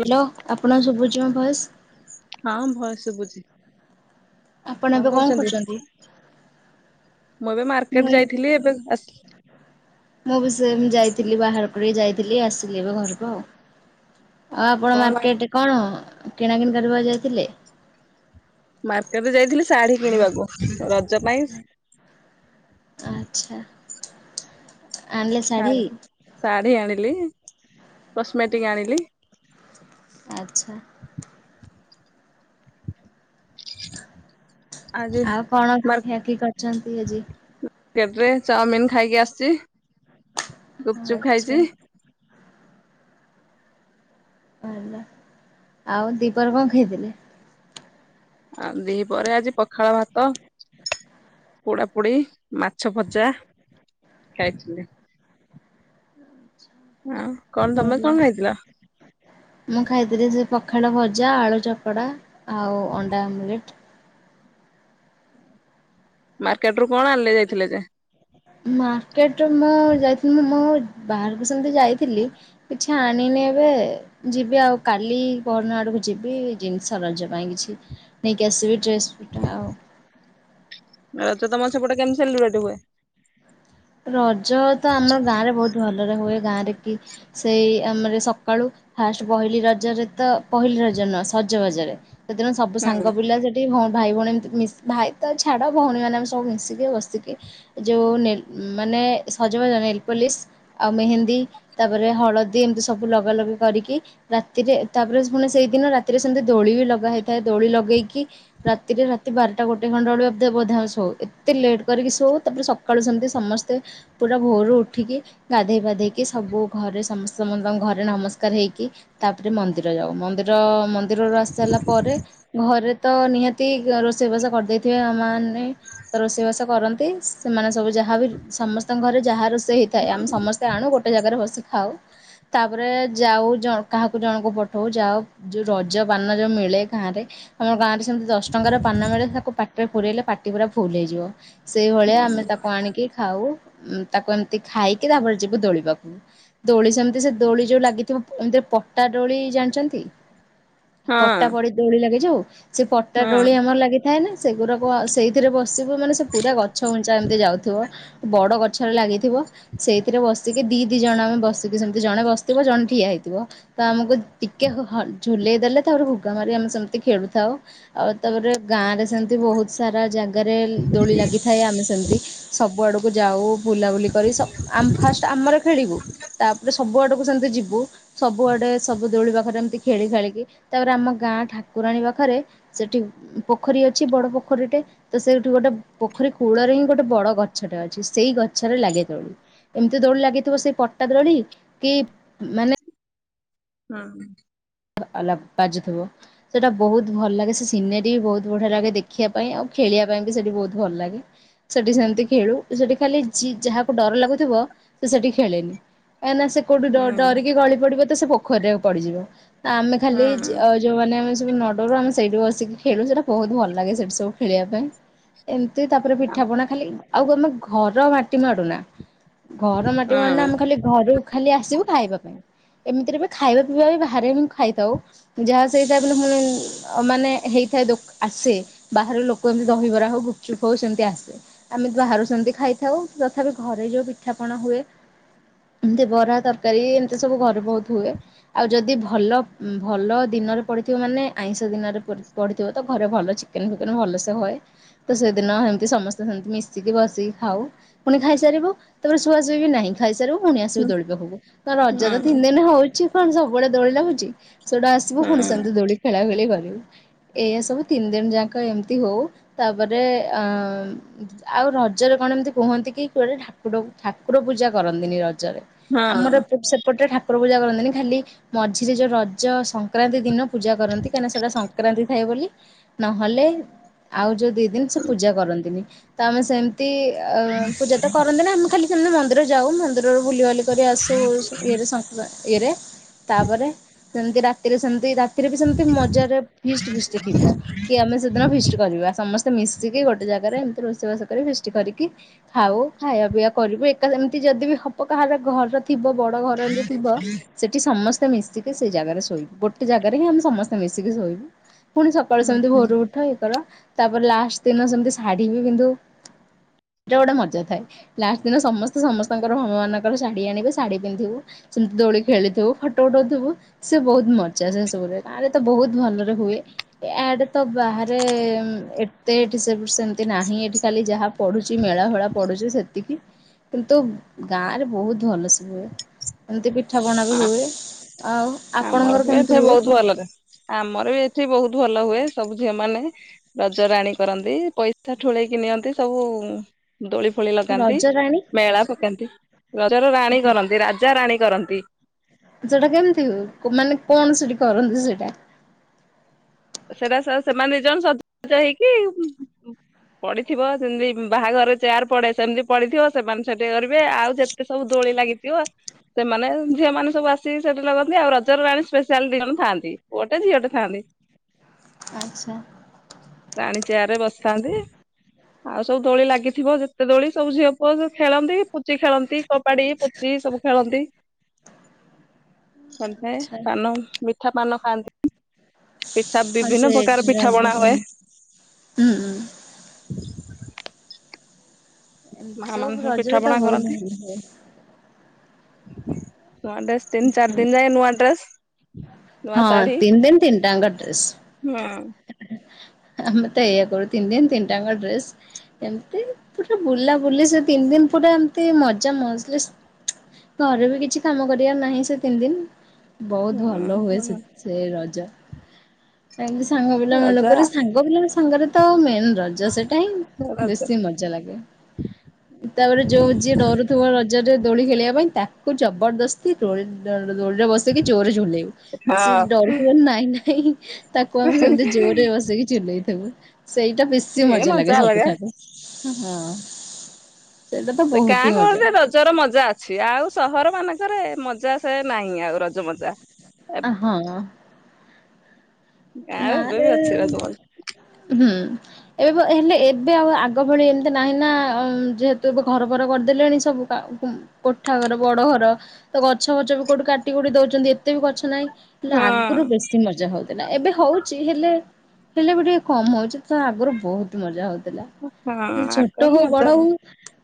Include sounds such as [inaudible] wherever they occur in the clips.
Hello ଆପଣଙ୍କ ଶୁଭୁଚି ମୋ ଭୟେସ୍‌। ହଁ [inaudible] ଆପଣ କଣ ଏବେ କ କରୁଛନ୍ତି? କରୁଚନ୍ତି? ମୁଁ ଏବେ ମାର୍କେଟ ଯାଇଥିଲି ଏବେ ଆସଲି। ଥିଲି ବାହାର କୁ ଯାଇଥିଲ ଆସିଲି ଏବେ ଘରକୁ ଆଉ। ଆଉ ଆପଣ କଣ ମାର୍କେଟରେ କଣ? କିଣାକିଣି କରିବାକୁ ଯାଇଥିଲେ। ମାର୍କେଟ୍ ଯାଇଥିଲି ଶାଢୀ କିଣିବାକୁ। ପାଇଁ ଆଚ୍ଛା। ଆଣିଲେ ଶାଢ଼ୀ ଶାଢ଼ ଶାଢ଼ୀ ଆଣିଲି। କସ୍ ମେଟିକ୍ ଆଣିଲି। ଆଚ୍ଛା। [inaudible] ଆଜି ଆଉ କଣ ଖିଆଖି କରିଛନ୍ତି ଆଜି? କେଟ୍ ରେ ଚାଓମିନ୍ ଖାଇକି ଆସଚି। ଗୁପଚୁପ୍ ଆଚ୍ଛା ଖାଇଚି। ଲା ଆଉ ଦିପରେ କଣ ଖାଇଥିଲେ? ଆଉ ଦିପରେ ଆଜି ପଖାଳ ଭାତ [inaudible] ପୋଡା ପୋଡି, ମାଛ ଭଜା ଖାଇଥିଲି। ହଁ କଣ ତମେ ଭଲ କଣ ଖାଇଥିଲ? ଖାଳ, ଭଜା, ଆଳୁ ଚକଟା ଆଉ ଅଣ୍ଡା ଆମଲେଟ୍। ମାର୍କେଟ ରୁ କଣ ଆଣିଲେ ଯାଇଥିଲେ ଯା? ମାର୍କେଟ ମୁଁ ଯାଇଥିଲି ମୁଁ ବାହାରକୁ ସେମିତି ଯାଇଥିଲି କିଛି ଆଣିନି ଏବେ ଯିବି ଆଉ କାଲି ପହରଦିନ ଆଡକୁ ଯିବି ଜିନିଷ ରଜ ପାଇଁ କିଛି ନେଇକି ଆସିବି। ଡ୍ରେସ ପିଟା ଆଉ। ତମର ସେପଟେ କେମିତି ସେଲିବେଟ୍ ହୁଏ? ରଜ ତ ଆମ ଗାଁରେ ବହୁତ ଗାଁରେ କି, ସେଇ ଆମର ସକାଳୁ ଫାଷ୍ଟ ପହିଲି ରଜରେ ତ ପହିଲି ରଜ ନୁହଁ ସଜବାଜରେ ସେଦିନ ସବୁ ହୁଁ ସାଙ୍ଗ ପିଲା ସେଠି ହମ୍ ଭାଇ ଭଉଣୀ ଏମିତି ମିସ୍ ଭାଇ ତ ଛାଡ଼ ଭଉଣୀମାନେ ଆମେ ସବୁ ମିଶିକି ବସିକି ଯୋଉ ନେଲ୍ ମାନେ ସଜବାଜ ନେଲପଲିସ୍ ଆଉ ମେହେନ୍ଦୀ ତାପରେ ହଳଦୀ ଏମିତି ସବୁ ଲଗାଲଗା କରିକି ରାତିରେ ତାପରେ ପୁଣି ସେଇଦିନ ରାତିରେ ସେମିତି ଦୋଳି ବି ଲଗା ହେଇ ଥାଏ ଦୋଳି ଲଗେଇକି ରାତିରେ ରାତି ବାରଟା ଗୋଟେ ଖଣ୍ଡେ ବେଳକୁ [unintelligible] ବୋଧେ ଶୋଉ ଏତେ ଲେଟ୍ କରିକି ଶୋଉ ତାପରେ ସକାଳୁ ସେମିତି ସମସ୍ତେ ପୁରା ଭୋରୁ ଉଠିକି ଗାଧେଇ ପାଧେଇକି ସବୁ ଘରେ [unintelligible] ସମସ୍ତଙ୍କ ଘରେ ନମସ୍କାର ହେଇକି ତାପରେ ମନ୍ଦିର ଯାଉ। ମନ୍ଦିର ମନ୍ଦିରରୁ ଆସି ସାରିଲା ପରେ ଘରେ ତ ନିହାତି ରୋଷେଇ ବାସ କରିଦେଇଥିବେ ଆମାନ୍ ନେ ତ ରୋଷେଇବାସ କର ନ୍ତି ସେମାନେ ସବୁ ଯାହାବି ସମସ୍ତଙ୍କ ଘରେ ଯାହା ରୋଷ୍ ଇ ହେଇଥାଏ ଆମେ ସମସ୍ତେ ଆଣୁ ଗୋଟେ ଜାଗାରେ ବସି ଖାଉ ତାପରେ ଯାଉ ଜ କାହାକୁ ଜଣକୁ ପଠଉ ଯାଅ ଯୋଉ ରଜ ପାନ ଯୋଉ ମିଳେ ଗାଁରେ ଆମ ଗାଁରେ ସେମିତି ଦଶ ଟଙ୍କାର ପାନ ମିଳେ ତାକୁ ପାଟିରେ ପୁରେଇଲେ ପାଟି ପୁରା ଫୁଲ୍ ହେଇଯିବ। ସେଇଭଳିଆ ଆମେ ହୁଁ ତାକୁ ଆଣିକି ଖାଉ ତାକୁ ଏମିତି ଖାଇକି ତାପରେ ଯିବୁ ଦୋଳି ପାଖୁକୁ। ଦୋଳି ସେମିତି ସେ ଦୋଳି ଯୋଉ ଲାଗିଥିବ ଏମିତି ପଟା ଡୋଳି ଜାଣିଚନ୍ତି? ହଁ ପଟା ପଡି ଦୋଳି ଲାଗେ ଯୋଉ। [unintelligible] ସେ ପଟା ହଁ ଡୋଳି ଆମର ଲାଗିଥାଏ ନା ସେଗୁରାକ ସେଇଥିରେ ବସିବୁ ମାନେ ସେ ପୁରା ଗଛ ଉଞ୍ଚା ଏମିତି ଯାଉଥିବ ବଡ ଗଛରେ ଲାଗିଥିବ ସେଇଥିରେ ବସିକି ଦି ଦି ଜଣ ଆମେ ବସିକି ସେମିତି ଜଣେ ବସିଥିବ ଜଣେ ଠିଆ ହେଇଥିବ ତ ଆମକୁ ଟିକେ ହ ହ ଝୁଲେଇ ଦେଲେ ତାପରେ ହୁ ଗାଁରେ ଆମେ ସେମିତି ଖେଳୁଥାଉ ଆଉ ତାପରେ ଗାଁରେ ସେମିତି ବହୁତ ସାରା ଜା ଗାରେ ଦୋଳି ଲାଗିଥାଏ ଆମେ ସେମିତି ସବୁ ଆଡୁ କୁ ଯାଉ ବୁଲାବୁଲି କରି ସ ଆମ ଫାଷ୍ଟ ଆମର ଖେଳିବୁ ତାପରେ ସବୁ ଆଡକୁ ସେମ ତି ଯିବୁ ସବୁଆଡେ ସବୁ ଦୋଳି ପାଖରେ ଏମିତି ଖେଳି ଖାଳିକି ତାପରେ ଆମ ଗାଁ ଠାକୁରାଣୀ ପାଖେରେ ସେଠି ପୋଖରୀ ଅଛି ବଡ଼ ପୋଖରୀଟେ ତ ସେଇଠୁ ଗୋଟେ ପୋଖରୀ କୂଳରେ ହିଁ ଗୋଟେ ବଡ଼ ଗଛଟେ ଅ ଛି ସେଇ ଗଛରେ ଲାଗେ ଦୋଳି। ଏମିତି ଦୋଳି ଲାଗିଥିବ ସେଇ ପଟା ଦୋଳି କି ମାନେ ହଁ। [unintelligible] ବାଜୁଥିବ ସେଟା ବହୁତ ଭଲ ଲାଗେ ସେ ସିନେରୀ ବି ବହୁତ ବଢିଆ ଲାଗେ ଦେଖିବା ପାଇଁ ଆଉ ଖେଳିବା ପାଇଁ ବି ସେଠି ବହୁତ ଭଲ ଲାଗେ। ସେଠି ସେମିତି ଖେଳୁ। ସେଠି ଖାଲି ଯି ଯାହାକୁ ଡର ଲାଗୁଥିବ ସେ ସେଠି ଖେଳେନି। ଏ ନା ସେ କଉଠି ଡ-ଡରିକି ଗଳି ପଡିବ ତ ସେ ପୋଖରୀରେ ପଡିଯିବ। ଆମେ ଖାଲି ଯ ଯୋଉମାନେ ଆମେ ସ ବୁ ନ ଡରୁ ଆମେ ସେଇଠି ବସିକି ଖେଳୁ ସେଟା ବହୁତ ଭଲ ଲାଗେ ସେଠି ସବୁ ଖେଳିବା ପାଇଁ ଏମ୍ ତାପରେ ପିଠା ପଣା ଖାଲି ଆଉ କୋଉ ଦିନଘର ମାଟି ମାଡୁନା ଘର ମାଟି ମାଡୁନା ଆମେ ଖାଲି ଘରୁକୁ ଖାଲି ଆସିବୁ। ଖାଇବା ପାଇଁ ଏମିତିରେ ବି ଖାଇବା ପିଇବା ବି ବାହାରେ ବି ଖାଇଥାଉ ଯାହା ସେଇତ ମାନେ ହେଇଥାଏ ଦୋକ୍ ଆସେ ବାହାରୁ ଲୋକ ଏମିତି ଦହିବରା ହଉ ଗୁପଚୁପ ହଉ ସେମିତି ଆସେ ଆମେ ବାହାରୁ ସେମିତି ଖାଇଥାଉ ତଥାପି ଘରେ ଯୋଉ ପିଠାପଣା ହୁଏ ଏମିତି ବରା ତରକାରୀ ଏମିତି ସବୁ ଘରେ ବହୁତ ହୁଏ ଆଉ ଯଦି ଭଲ ଭଲ ଦିନରେ ପଢିଥିବ ମାନେ ଆଇଁଷ ଦିନରେ ପଢିଥିବ ତ ଘରେ ଭଲ ଚିକେନ ଫିକେନ ଭଲସେ ହୁଏ ତ ସେଦିନ ସେମିତି ସମସ୍ତେ ସେମିତି ମିଶିକି ବସିକି ଖାଉ ପୁଣି ଖାଇସାରିବୁ ତାପରେ ଶୁଆ ଶୁଇ ବି ନାହିଁ ଖାଇ ସାରିବୁ ପୁଣି ଆସିବୁ ଦୋଳିି ପାଖକୁ ତ ରଜ ତତିନଦିନ ହଉଛି। କଣ ସବୁବେଳେ ଦୋଳି ଲାଗୁଛି। ସେଗୁଡା ଆସିବ ପୁଣି ସେମତି ଦୋଳି ଖେଳା ଖେଳି କରିବୁ। ଏଇଆ ସବୁ ତିନି ଦିନ ଯାକ ଏମିତି ହଉ ତାପରେ ଆଁ ଆଉ ରଜରେ କଣ ଏମତି କୁହନ୍ତି କି କୁଆଡେ ଠାକୁର ଠାକୁର ପୂଜା କରନ୍ତିନି ର ଜରେ ଆମର ହଁ, ଅପଟ୍ ସେପଟେ ଠା ଠାକୁର ପୂଜା କରନ୍ତିନି ଖାଲି ମଝିରେ ଯୋଉ ର ରଜ ସଂକ୍ରାନ୍ତି ଦିନ, ପୂଜା କରନ୍ତି କାହିଁ ନା ସେଟା ସଂକ୍ରାନ୍ତି ଏ ବୋଲି ନ ହେଲେ ଆଉ ଯଦି ଦିଇ ଦିନ ସେ ପୂଜା କରନ୍ତି ନି ତମେ ସେମ ତି ଏ ପୂଜା ତ କରନ୍ତିନି ଆମେ ଖାଲି ସେ ମନ୍ଦିର ଯାଉ ମନ୍ଦି ବୁଲାବୁଲି କରି ଆସୁ ଇଏରେ ସଂକ୍ରାନ୍ତି ଇଏରେ ତା ପରେ ସେମତି ରାତିରେ ସେମତି ରା ସେଥିରେ ବି ସେମିତି ମଜାରେ ଫିଷ୍ଟ ଫିଷ୍ଟ ଥିବ କି ଆମେ ସେଦିନ ଫିଷ୍ଟ କରିବା ସମସ୍ତେ ମିଶିକି ଗୋଟେ ଜାଗାରେ ଏମିତି ରୋଷେଇବାସ କର ଫିଷ୍ଟି କରିକି ଖାଉ ଖାଇବା ପିଇବା କରିବୁ ଏକା ଏମିତି ଯଦି ବି ହବ କାହାର ଘରର ଥିବ ବଡ ଘର ଏମିତି ଥିବ ସେଠି ସମସ୍ତ ସମେସ୍ତ ମିଶି ସେଇ ଜାଗାରେ ଶୋଇବୁ ଗୋଟେ ଜାଗାରେ ହିଁ ଆମେ ସମସ୍ତେ ମିଶିକି ଶୋଇବୁ। ପୁଣି ସକାଳୁ ସେମିତି ହୁଁ। ଭୋରୁ ଉଠ ଇଏ କର ତାପରେ ଲାଷ୍ଟ ଦିନ ସେମିତି ଶାଢୀ ବି ପିନ୍ଧିବୁ ସେଇଟା ଗୋଟେ ମଜା ଥାଏ ଲାଷ୍ଟ ଦିନ ସମସ୍ତେ ସମସ୍ତଙ୍କର ହନୁ ମାନାନଙ୍କର ଶାଢୀ ଆଣିବେ ଶାଢୀ ପିନ୍ଧିବୁ ସେମତି ଦୋଳି ଖେଳିଥିବୁ ଫଟ ଉଠଉଥିଵୁ ସେ ବହୁତ ମଜା ସେ ସବୁରେ ଆଡ ତ ବହୁତ ଭଲରେ ହୁଏ ଏଆଡେ ତ ବାହାରେ ଏତେ ଏଠି ସେ ସେମତି ନାହିଁ ଏଠି ଖାଲି ଯାହା ପଡୁଛି ମେଳା ଫେଳା ପଡୁଛି ସେତିକି କିନ୍ତୁ ଗାଆଁ ରେ ବହୁତ ଭଲସେ ହୁଏ ଏମିତି ବି ପିଠାପଣା ବି ଆ, ହୁଏ। ଆଉ ଆମର ଆପଣଙ୍କର ହୁଏ କେମିତି ଏଠା ବହୁତ ଭଲରେ ଆମର ଏ ଏଠି ବହୁତ ଭଲ ହୁଏ। ସବୁ ଝିଅମାନେ ରଜରାଣୀ କରନ୍ତି। ପଇସା ଠୁଳେଇକି ନିଅନ୍ତି। ସବୁ ଉ ଦୋଳିଫୋଳି ଲଗାନ୍ତି। ରଜରାଣୀ ମେଳା ପକାନ୍ତି। ରଜ ର ରାଣୀ କରନ୍ତି। ରାଜା ରାଣୀ କରନ୍ତି। ସେଟା କେମିତି ହୁଏ? ମାନେ କଣ ସେଠି କରନ୍ତି ସେଇଟା? ସେଟା ସେ ସେମାନେ ଦିଇ ଜଣ ସଜ [unintelligible] ହେଇକି ଉଁ ଉଁ ଉଁ ପଡିଥିବ ସେମତି ବାହାଘର ଚେୟାର ପଡେ ସେମିତି ପଡିିଥିବ ସେମାନେ ସେଠେ କରିବେ ଆଉ ଯେତେ ସବୁ ଦୋଳି ଲାଗି ଝିଅ ସେମାନେ ଉମ୍ ସେମାନେ ସବୁ ଆସିକି ସେଠି ଲଗାନ୍ତି। ଆଉ ରଜର ରାଣୀ ସ୍ପେଶାଲ୍ ଦି ଜଣ ଥାଆନ୍ତି। ପୁଅଟେ ଝିଅଟେ ଥାଆନ୍ତି। ଆଚ୍ଛା। ରାଣୀ ଚେୟାରରେ ବସିଥାଆନ୍ତି। ଆଉ ସବୁ ଦୋଳି ଲାଗିଥିବ। ଯେତେ ଦୋଳି ସବୁ ଝିଅ ପୁଅ ସବୁ ଖେଳନ୍ତି। ପୁଚି ଖେଳନ୍ତି। କବାଡି, ପୁଚି ସବୁ ଖେଳନ୍ତି‌। [unintelligible] ଥାଏ ଆଚ୍ଛା ପାନ ମି ମିଠା ପାନ ଖାଆନ୍ତି। ପିଠା ହଁ ବିଭିନ୍ନ ସେ ପ୍ରକାର ପିଠା ରଜ ପଣା ହଏ। ପାନ ହୁଁ ହୁଁ। ମା ଏମିତି ମାନେ ସବୁ ପିଠା ରଜରେ ତ ପଣା ବହୁତ କରନ୍ତି ଭଲ ଥାଏ। [inaudible] ନୂଆ ଡ୍ରେସ ତିନି ଚାରି ଦିନ ଯାଏ ନୂଆ ଡ୍ରେସ। ନୂଆ ହଁ ଶାଢୀ ତିନି ଦିନ ତିନିଟାଙ୍କ ଡ୍ରେସ୍। ହୁଁ ଆମେ ତ ଏଇଆ କରୁ ତିନି ଦିନ ତିନି ଟାଙ୍କ ଡ୍ରେସ ଏମତି ପୁରା ବୁଲା ବୁଲି ସେ ତିନି ଦିନ ପୁରା ଏମତି ମଜା ମଜଲିସ ଘରେ ବି କିଛି କାମ କରିବାର ନାହିଁ ସେ ତିନି ଦିନ। ବହୁତ ଭଲ ହୁଏ ସେ ହୁଁ। ସେ ରଜ। [unintelligible] ସାଙ୍ଗ ରଜା ପିଲାମାନଙ୍କରେ ସାଙ୍ଗ ପିଲାଙ୍କ ସାଙ୍ଗରେ ତମେ ରଜା ସେଟା ହିଁ ରଜ ରଜ ବେଶୀ ମଜା ଲାଗେ ତାପରେ ଯୋଉ ଯିଏ ଡରୁଥିବ ରଜ ରେ। ଦୋଳି ଖେଳିବା ପାଇଁ ତାକୁ ଜବରଦସ୍ତି ଦୋଳି ଦୋଳିରେ ବସେଇକି ଜୋରେ ଝୁଲେଇବୁ ସେ ହଁ ଡରୁଥିବ ନାଇଁ ନାଇଁ। କୁ ଆମେ ସେମିତି ଜୋରେ ବସିକି ଚୁଲେଇଥିବୁ। ସେଇଟା ବେଶୀ ସିଏ ମଜା ଲାଗେ ଅଲଗା। ସବୁଠାରୁ। ହଁ। ସେଇଟା ତ ସେ ବହୁତ ଗାଁ ହି ମଜା ଗହଳିରେ ରଜର ମଜା ଅଛି ଆଉ। ସହର ମାନଙ୍କରେ ମଜା ସେ ନାହିଁ ଆଉ ରଜ ମଜା। ଆଁ ହଁ।। ଗାଁରେ ଗାଁ ଏବେ ରେ ବି ଅଛି ରଜ ମଜା ହଁ। ଏବେ ହେଲେ ଏବେ ଆଉ ଆଗ ଭଳି ଏମିତି ନାହିଁ ନା ଯେହେତୁ ଏବେ ଘର ଫର କରିଦେଲେଣି ସବୁ କୋଠା ଘର ବଡ ଘର ତ ଗଛ ଫଛ ବି କୋଉଠି କାଟି କଟି ଦଉଛନ୍ତି ଏତେ ବି ଗଛ ନାହିଁ। ହେଲେ ହଁ ଆଗରୁ ବେଶୀ ମଜା ହଉ ନା ଏବେ ହଉଛି ହେଲେ ହେଲେ ବି ଟିକେ କମ ହଉଛି ତ ଆଗରୁ ବହୁତ ମଜା ହଉ ହଁ ଛୋଟ ଆଗର ହଉ ବଡ ମଜା ହଉ ହଁ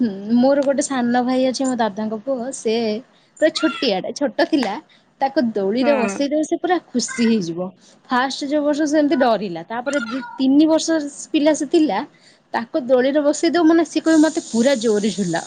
ହୁଁ ମୋର ଗୋଟେ ସାନ ଭାଇ ଅଛି ମୋ ଦାଦାଙ୍କ ପୁଅ ସେ ପୁରା ଛୋଟିଆଟେ। ଛୋଟ ଥିଲା- ତାକୁ ଦୋଳିରେ ବସେଇ ଦେଲେ ସେ ପୁରା ଖୁସି ହେଇଯିବ ଫାଷ୍ଟ ଯୋଉ ବର୍ଷ ସେମିତି ଡରିଲା ତାପରେ ତିନି ବର୍ଷ ପିଲା ସେ ଥିଲା ତାକୁ ଦୋଳିରେ ବସେଇ ଦବ ମାନେ ସିଏ କହିବି ମତେ ପୁର ଜୋର ଝୁଲା।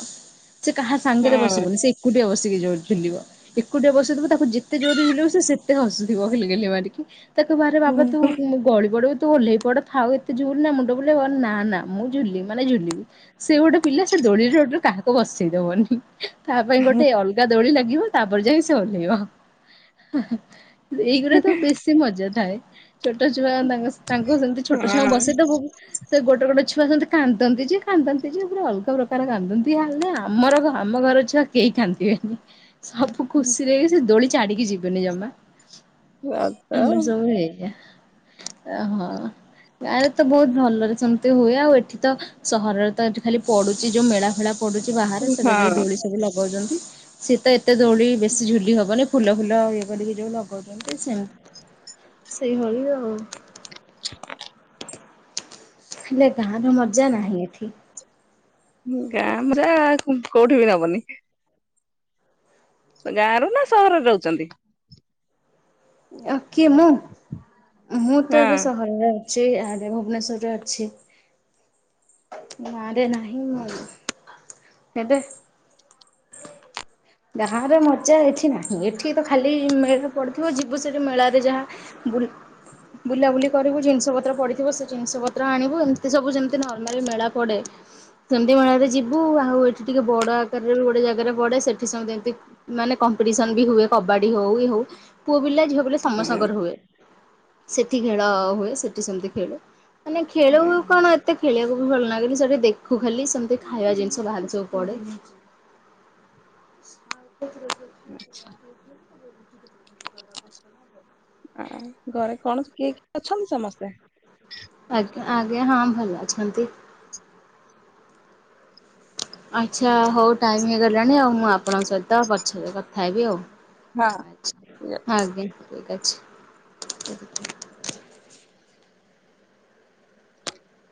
ସେ କାହା ସାଙ୍ଗରେ ହଁ ବସିବନି ସେ ଏକୁଟିଆ ବସି ସିକି ଜୋର ଝୁଲିବ। ଏକୁଟିଆ ବସେଇଦେବୁ ତାକୁ ଯେତେ ଜୋରରେ ଝୁଲେଇବୁ ସେ ସେତେ ହସୁଥିବ ଘିଲି ଘିଲି ମାରିକି। ତାକୁ ବାହାରେ ବାବା ତୁ ହଁ ଗଳି ପଡ଼ିବୁ ତୁ ଓହ୍ଲେଇ ପଡ ଥାଉ ଏତେ ଝୁଲନା ମୁଣ୍ଡ ବୁଲେଇବ। ନା ନା ମୁଁ ଝୁଲଲିି ମାନେ ଝୁଲିବି। ସେ ଗୋଟେ ପିଲା ସେ ଦୋଳିରେ ଟୋଟାଲ କାହାକୁ ବସେଇ ଦବନି। ତା ପାଇଁ ଗୋଟେ ଅଲଗା ଦୋଳି ଲା ଉଂ ତାପରେ ଯାଇଁ ସେ ଓହ୍ଲେଇବ। ଏହେଁ। ଏଇଗୁରା ତ ବେଶୀ ମଜା। ଥାଏ। ଛୋଟ ଛୁଆ ତାଙ୍କୁ ତାଙ୍କୁ ସେମିତି ଛୋଟ ଛୁଆଙ୍କୁ ବସେଇଦବ ବି ସେ ଗୋଟେ ଗୋଟେ ଛୁଆ ସେମିତି କାନ୍ଦନ୍ତି ଯେ କାନ୍ଦନ୍ତି ଯେ ପୁରା ଅଲଗା ପ୍ରକାର କାନ୍ଦନ୍ତି। ହାଲେ ଆମର ଘ ଆମ ଘର ଛୁଆ କେହି କାନ୍ଦିବେନି। ସବୁ ଖୁସିରେ ଏଇ ସେ ଦୋଳି ଛାଡିକି ଯିବୁନି ଜମା। ଆମର ସବୁ [unintelligible] ଏଇଆ। ଅହଁ ଗାଁରେ ତ ବହୁତ ଭଲରେ ସେମିତି ହୁଏ। ଆଉ ଏଠି ତ ସହରରେ ତ ଏଠି ଖାଲି ପଡ଼ୁଚି ଯୋଉ ମେଳା ଫେଳା ପଡ଼ୁଚି ବାହାରେ ସେଟା ଯୋଉ ହଁ। ଦୋଳି ସବୁ ଲାଗ୍ କହୁଚନ୍ତି। ସିଏ ତ ଏତ୍ ଏତେ ଦୌଳି ବେଶୀ ଝୁଲି ହବନି। ଫୁଲ ଫୁଲ ଇଏ କରିକି ଯୋଉ ଲଗଉଚନ୍ତି ସେମତି। ସେଇ ଭଳିଆ ଆଉ। ହେଲେ ଗାଁର ମଜା ନାହିଁ ଏଠି। ଗାଁ [unintelligible] କୋଉଠି ବି ହବନି। ଗାଁ ରୁ ନା ସହରରେ ରହୁଚନ୍ତି? ଅ କିଏ ମୁଁ? ମୁଁ ତ ଏବେ ହଁ। ସହରର। ସେ ଆରେ ଭୁବନେଶ୍ଵରରେ ଅଛି। ନାରେ ନାହିଁ ମୁଁ ଏବେ ବାହାହବା ମଜା ଏଠି ନାହିଁ। ଏଠି ତ ଖାଲି ମେନ୍ ପଡିଥିବ ଯିବୁ ସେଠି ମେଳାରେ ଯାହା ବୁଲ୍ ବୁଲାବୁଲି କରିବୁ ଜିନିଷ ପତ୍ର ପଡିଥିବ ସେ ଜିନିଷ ପତ୍ର ଆଣିବୁ। ଏମତି ସବୁ ଯେମତି ନର୍ମାଲି ମେଳା ପଡେ ସେମିତି ମେଳାରେ ଯିବୁ। ଆଉ ଏଠି ଟିକେ ବଡ ଆକାରରେ ଗୋଟେ ଜାଗାରେ ପଡେ ସେଠ୍ ଏଠି ସେମତି ଏମତି ମାନେ କମ୍ପିଟିସନ୍ ବି ହୁଏ। କବାଡି ହଉ ଇଏ ହଉ ପୁଅ ପିଲା ଝିଅ ବୋଲି ସମସ୍ତଙ୍କର ହୁଏ। ସେଠି ଖେଳ ହୁଏ ସେଠି ସେମିତି ଖେଳେ। ମାନେ ଖେଳୁ ହଁ କଣ ଏତେ ଖେଳିବାକୁ ଭଲ ଲାଗେନି ସେଠି ଦେଖୁ ଖାଲି ସେମତି ଖାଇବା ଜିନିଷ ବାହାରେ ସବୁ ପଡେ। ଆଛା। ଆ ଘରେ କଣ କିଏ କିଏ ଅଛନ୍ତି ସମସ୍ତେ? ଆଜ୍ଞା ଆଜ୍ଞା ହଁ ଭଲ ଅଛନ୍ତି। ଆଚ୍ଛା ହଉ ଟା ହେଇଗଲାଣି ଆଉ ମୁଁ ଆପଣଙ୍କ ସହିତ ପଛରେ କଥା ହେବି ଆଉ। ହଁ ଆଜ୍ଞା। ଠିକ୍ ଅଛି।